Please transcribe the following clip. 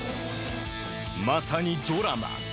まさにドラマ。